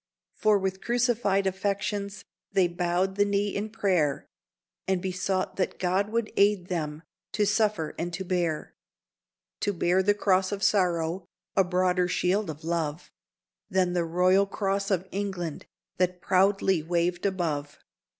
For with crucified affections they bowed the knee in prayer, And besought that God would aid them to suffer and to bear; To bear the cross of sorrow a broader shield of love Than the Royal Cross of England, that proudly waved above.